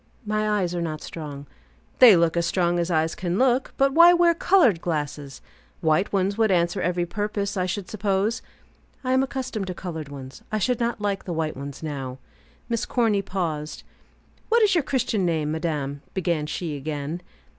"My eyes are not strong." "They look as strong as eyes can look. But why wear colored glasses? White ones would answer every purpose, I should suppose." "I am accustomed to colored ones. I should not like white ones now." Miss Corny paused. "What is your Christian name, madame?" began she, again.